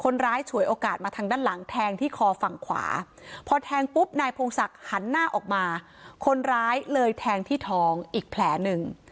นายพงศักดิ์หันหน้าออกมาคนร้ายเลยแทงที่ทองอีกแผลหนึ่ง